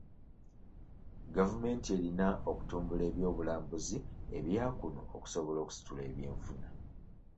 Gavumenti erina okutumbula ebyobulambuzi ebya kuno okusobola okusitula ebyenfuna.